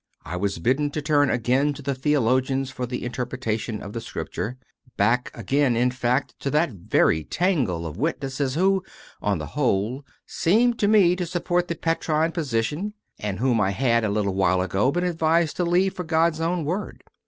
I was bidden to turn again to the theologians for the interpretation of the Scripture back again, in fact, to that very tangle of witnesses who, on the whole, seemed to me to support the Petrine position, and CONFESSIONS OF A CONVERT 107 whom I had, a little while ago, been advised to leave for God s own Word.